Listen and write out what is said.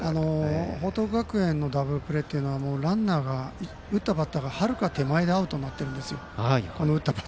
報徳学園のダブルプレーっていうのはランナーが打ったバッターがはるか手前でアウトになっているんですよ。